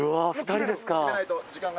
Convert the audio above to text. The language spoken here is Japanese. ２人ですか。